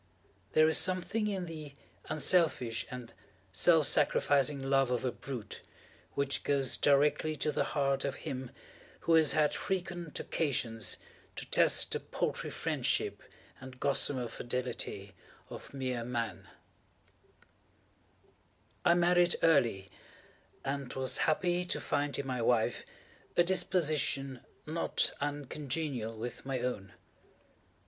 There is something in the unselfish and self sacrificing love of a brute, which goes directly to the heart of him who has had frequent occasion to test the paltry friendship and gossamer fidelity of mere Man. I married early, and was happy to find in my wife a disposition not uncongenial with my own.